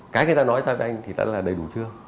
cái người ta nói ra với anh thì đã là đầy đủ chưa